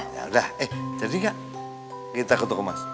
ya udah eh jadi nggak kita ketuk emas